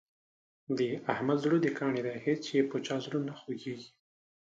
د احمد زړه د کاڼي دی هېڅ یې په چا زړه نه خوږېږي.